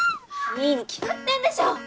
いいに決まってんでしょ！